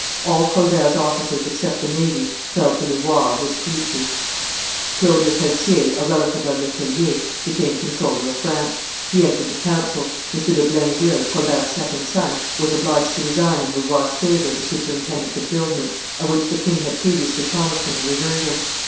All Colbert's offices, except the navy, fell to Louvois or his creatures. Claude Lepelletier, a relative of Le Tellier, became comptroller of finance; he entered the council; M. de Blainville, Colbert's second son, was obliged to resign in Louvois' favor the superintendence of buildments, of which the king had previously promised him the reversion.